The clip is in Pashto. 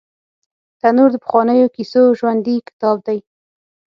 تنور د پخوانیو کیسو ژوندي کتاب دی